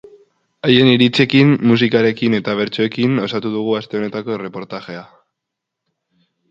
Haien iritziekin, musikarekin eta bertsoekin osatu dugu aste honetako erreportajea.